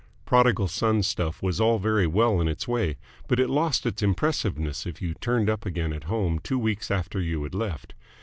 Prodigal Son stuff was all very well in its way, but it lost its impressiveness if you turned up again at home two weeks after you had left.